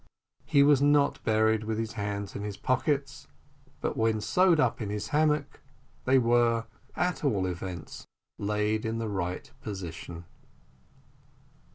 He was not buried with his hands in his pockets, but when sewed up in his hammock, they were, at all events, laid in the right position.